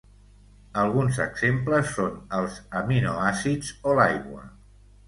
Alguns exemples són els aminoàcids o l'aigua.